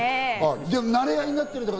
馴れ合いになってるって。